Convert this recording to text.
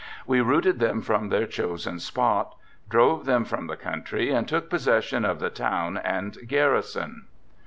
We routed them from their chosen spot— drove them from the country and took possession of the town and garrison."